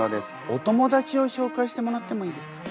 お友だちをしょうかいしてもらってもいいですか？